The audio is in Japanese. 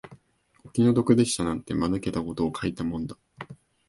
お気の毒でしたなんて、間抜けたことを書いたもんだ